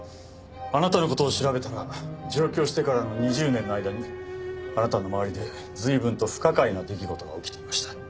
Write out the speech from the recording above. あなたの事を調べたら上京してからの２０年の間にあなたの周りで随分と不可解な出来事が起きていました。